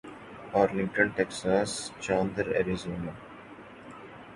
Arlington Texas Chandler Arizona